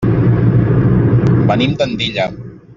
Venim d'Andilla.